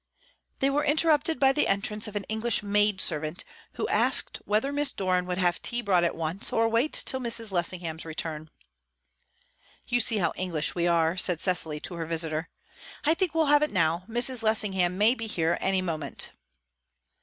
They were interrupted by the entrance of an English maidservant, who asked whether Miss Doran would have tea brought at once, or wait till Mrs. Lessingham's return. "You see how English we are," said Cecily to her visitor. "I think we'll have it now; Mrs. Lessingham may be here any moment."